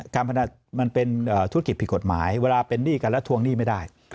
พนันมันเป็นธุรกิจผิดกฎหมายเวลาเป็นหนี้กันแล้วทวงหนี้ไม่ได้